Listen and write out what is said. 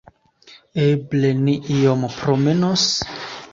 Eble ni iom promenos?